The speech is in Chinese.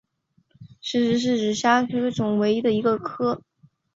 匙指虾科是匙指虾总科之下唯一的一个科。